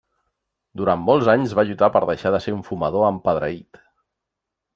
Durant molts anys va lluitar per deixar de ser un fumador empedreït.